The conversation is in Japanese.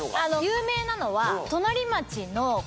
有名なのは。